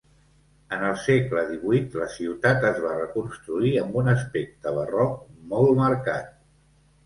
En el segle XVIII, la ciutat es va reconstruir amb un aspecte barroc molt marcat.